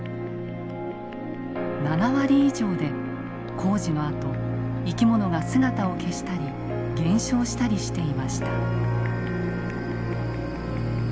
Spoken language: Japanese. ７割以上で工事のあと生き物が姿を消したり減少したりしていました。